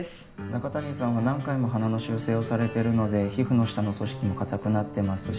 中谷さんは何回も鼻の修正をされてるので皮膚の下の組織も硬くなってますし